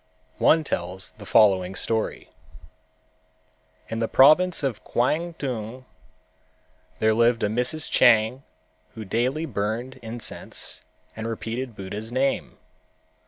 One tells the following story: In the province of Kwangtung there lived a Mrs. Chang who daily burned incense and repeated Buddha's name.